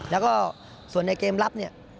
แล้วก็ส่วนในเกมรับ